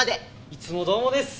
いつもどうもです！